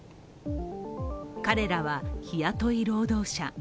彼らは日雇い労働者。